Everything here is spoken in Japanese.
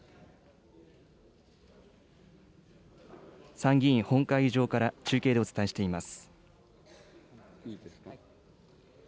参議院本会議場から中継でお伝えしています。